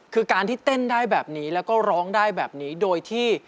คือการที่เต้นได้แบบนี้แล้วก็ร้องได้แบบนี้โดยที่